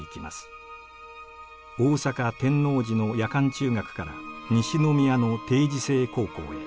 大阪・天王寺の夜間中学から西宮の定時制高校へ。